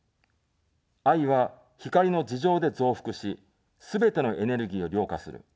愛は光の２乗で増幅し、すべてのエネルギーをりょうがする。